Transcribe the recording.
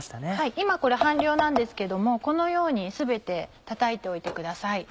今これ半量なんですけどもこのように全てたたいておいてください。